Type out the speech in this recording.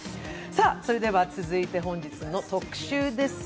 それでは、続いて本日の特集です。